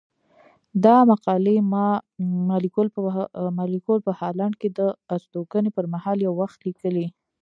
دا مقالې ما ليکوال په هالنډ کې د استوګنې پر مهال يو وخت ليکلي.